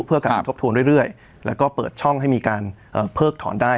เพื่อการทบทวนเรื่อยแล้วก็เปิดช่องให้มีการเพิกถอนได้